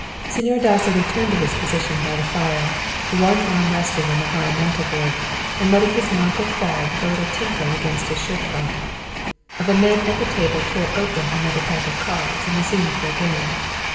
Señor Dasso returned to his position by the fire, one arm resting on the high mantleboard and letting his monocle fall with a little tinkle against his shirt front. The men at the table tore open another pack of cards and resumed their game.